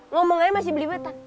ngomong aja masih beli batak